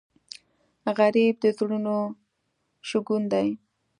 غریب د زړونو شګونه دی